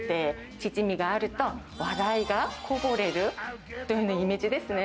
チヂミがあると、笑いがこぼれるというようなイメージですね。